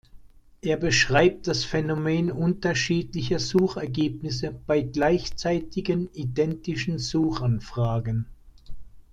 Er beschreibt das Phänomen unterschiedlicher Suchergebnisse bei gleichzeitigen, identischen Suchanfragen.